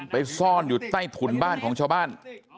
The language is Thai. ซ่อนอยู่ใต้ถุนบ้านของชาวบ้าน